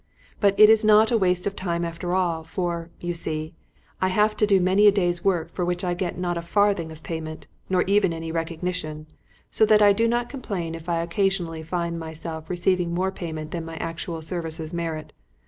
But it is not a waste of time after all, for, you see, I have to do many a day's work for which I get not a farthing of payment, nor even any recognition, so that I do not complain if I occasionally find myself receiving more payment than my actual services merit.